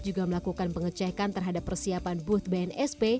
juga melakukan pengecekan terhadap persiapan booth bnsp